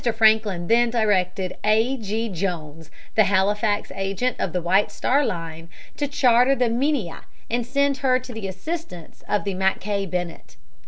Franklin then directed A. G. Jones, the Halifax agent of the White Star Line, to charter the Minia and send her to the assistance of the Mackay Bennett.